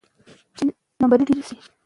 د مصنوعي تنفس قاچاق د قانون خلاف دی.